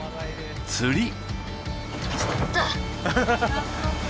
釣り！